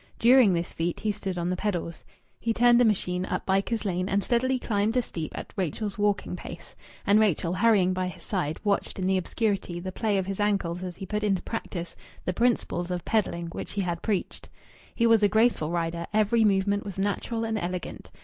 During this feat he stood on the pedals. He turned the machine up Bycars Lane, and steadily climbed the steep at Rachel's walking pace. And Rachel, hurrying by his side, watched in the obscurity the play of his ankles as he put into practice the principles of pedalling which he had preached. He was a graceful rider; every movement was natural and elegant.